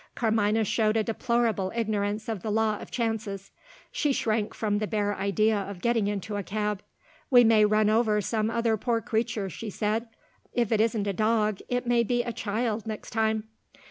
Carmina showed a deplorable ignorance of the law of chances. She shrank from the bare idea of getting into a cab. "We may run over some other poor creature," she said. "If it isn't a dog, it may be a child next time."